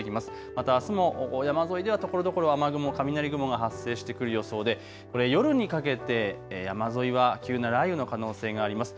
またあすも山沿いではところどころ雨雲、雷雲が発生してくる予想で夜にかけて山沿いは急な雷雨の可能性があります。